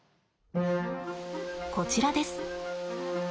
こちらです。